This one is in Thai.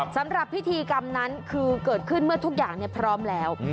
สำหรับพิธีกรรมนั้นคือเกิดขึ้นเมื่อทุกอย่างพร้อมแล้ว